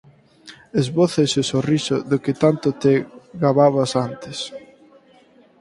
Esboza ese sorriso do que tanto te gababas antes...